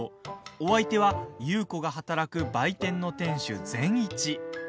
お相手は優子が働く売店の店主、善一。